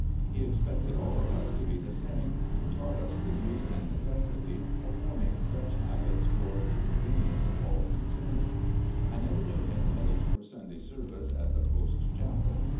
He expected all of us to be the same, and taught us the use and necessity of forming such habits for the con venience of aU concerned. I never knew him late for Sunday service at the Post Chapel.